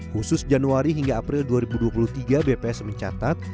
khusus januari hingga april dua ribu dua puluh tiga bps mencatat